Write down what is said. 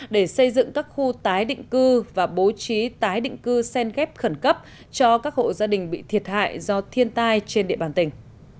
để xây dựng các khu tái định cư và bố trí tái định cư sen ghép khẩn cấp cho các hộ gia đình bị thiệt hại do thiên tai trên địa bàn tỉnh